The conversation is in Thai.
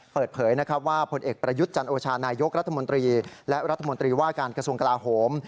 เปิดเผยนะครับว่าผลเอกประยุทธ์จันโอชานายกรัฐมนตรีและรัฐมนตรีว่าการกระทรวงกลาโหม